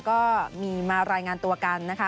ก็มีมารายงานตัวกันนะคะ